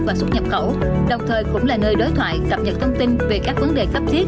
và xuất nhập khẩu đồng thời cũng là nơi đối thoại cập nhật thông tin về các vấn đề cấp thiết